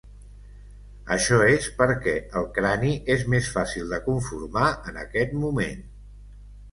Això és perquè el crani és més fàcil de conformar en aquest moment.